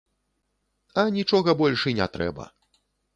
А нічога больш і не трэба.